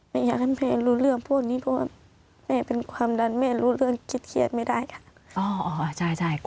ไม่อยากให้แม่รู้เรื่องพวกนี้เพราะว่าแม่เป็นความดันแม่รู้เรื่องคิดเครียดไม่ได้ค่ะ